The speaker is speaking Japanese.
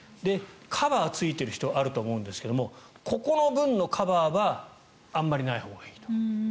カバーついている人あると思うんですがここの分のカバーはあまりないほうがいいと。